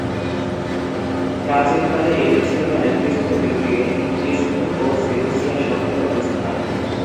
প্রাচীনকালে এটি ছিল টাইগ্রিস নদীর তীরে তিসফুন ও সেলুসিয়া শহরের অবস্থান।